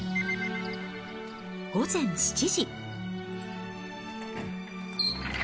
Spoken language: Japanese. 午前７時。